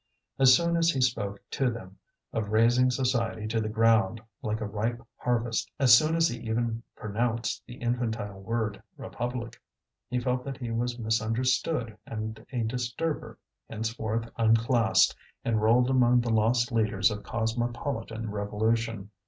As soon as he spoke to them of razing society to the ground like a ripe harvest as soon as he even pronounced the infantile word "republic" he felt that he was misunderstood and a disturber, henceforth unclassed, enrolled among the lost leaders of cosmopolitan revolution.